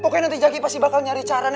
pokoknya nanti jagi pasti bakal nyari cara